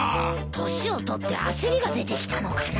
年を取って焦りが出てきたのかな。